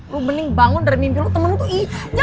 lu mending bangun dari mimpi lu temen lu tuh ii